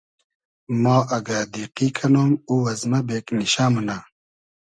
ما اگۂ دیقی کئنوم او از مۂ بېگنیشۂ مونۂ